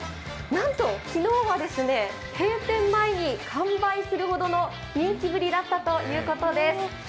なんと昨日は、閉店前に完売するほどの人気ぶりだったということです。